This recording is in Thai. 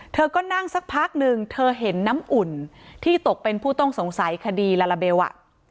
เธอก็นั่งสักพักหนึ่งเธอเห็นน้ำอุ่นที่ตกเป็นผู้ต้องสงสัยคดีลาลาเบลอ่ะ